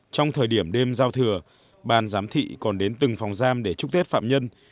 trong thời điểm đêm giao thửa bang giám thị còn đến từng phòng giam để chúc tết phạm nhân